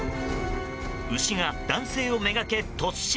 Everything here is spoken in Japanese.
牛が男性をめがけ突進。